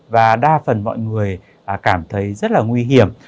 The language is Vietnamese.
và đa phần mọi người cảm thấy rất là nguy hiểm